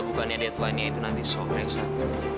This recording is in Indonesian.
lu bukannya deadline nya itu nanti soalnya sat